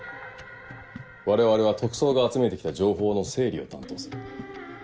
我々は特捜が集めて来た情報の整理を担当する。